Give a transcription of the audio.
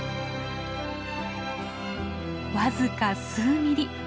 僅か数ミリ。